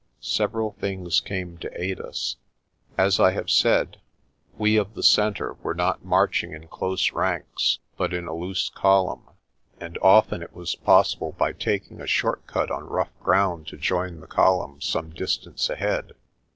Several things came to aid us. As I have said, we of the centre were not marching in close ranks, but in a loose 158 PRESTER JOHN column, and often it was possible by taking a short cut on rough ground to join the column some distance ahead.